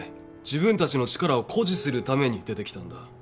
自分たちの力を誇示するために出てきたんだ。